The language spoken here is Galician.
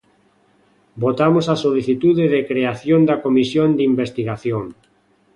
Votamos a solicitude de creación da comisión de investigación.